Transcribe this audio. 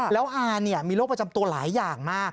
แล้วอามีโรคประจำตัวหลายอย่างมาก